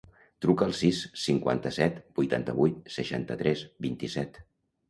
Truca al sis, cinquanta-set, vuitanta-vuit, seixanta-tres, vint-i-set.